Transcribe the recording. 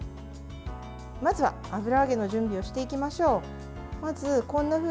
まずは油揚げの準備をしていきましょう。